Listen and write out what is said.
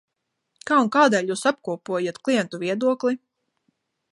Kā un kādēļ jūs apkopojat klientu viedokli?